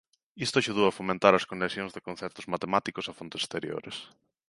Isto axudou a fomentar as conexións de conceptos matemáticos a fontes exteriores.